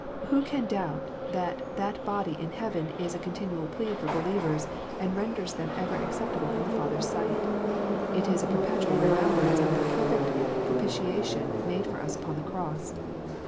Who can doubt that that body in heaven is a continual plea for believers, and renders them ever acceptable in the Father s sight ? It is a perpetual remembrance of the perfect propitiation made for us upon the Cross.